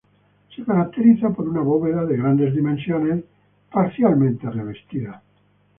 Se caracteriza por una bóveda de grandes dimensiones parcialmente revestida.